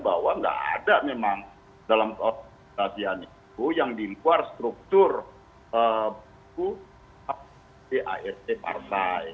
bahwa tidak ada memang dalam koorganisasian itu yang di luar struktur buku adart partai